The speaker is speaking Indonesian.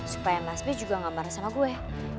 supaya mas bi juga gak marah sama gue